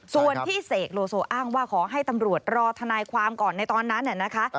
ส่วนที่เสกโลโซอ้างว่าขอให้ตำรวจรอทนายความก่อนในตอนนั้นน่ะนะคะ